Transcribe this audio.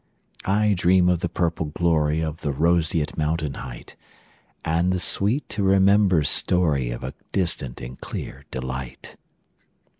I dream of the purple gloryOf the roseate mountain heightAnd the sweet to remember storyOf a distant and clear delight.